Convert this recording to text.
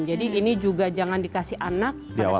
jadi ini juga jangan dikasih anak pada saat